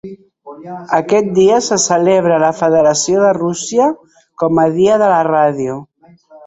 Aquest dia se celebra a la Federació de Rússia com a Dia de la Ràdio.